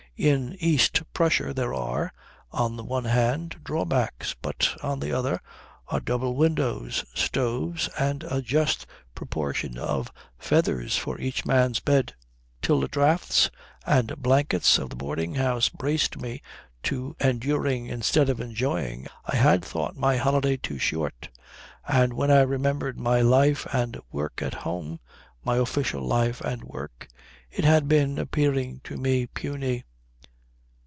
In East Prussia there are, on the one hand, drawbacks; but, on the other, are double windows, stoves, and a just proportion of feathers for each man's bed. Till the draughts and blankets of the boarding house braced me to enduring instead of enjoying I had thought my holiday too short, and when I remembered my life and work at home my official life and work it had been appearing to me puny."